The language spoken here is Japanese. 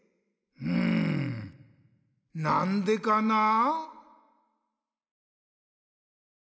うんなんでかな？